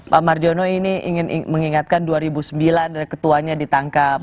pak marjono ini ingin mengingatkan dua ribu sembilan ketuanya ditangkap